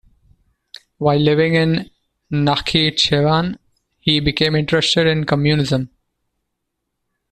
While living in Nakhichevan, he became interested in Communism.